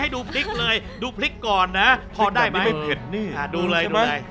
ดูเลยดูเลย